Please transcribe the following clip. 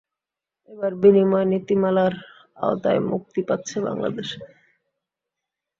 এবার বিনিময় নীতিমালার আওতায় মুক্তি পাচ্ছে বাংলাদেশে।